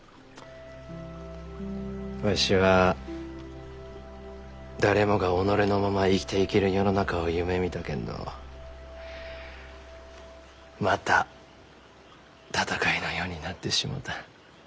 わしは誰もが己のまま生きていける世の中を夢みたけんどまた戦いの世になってしもうた。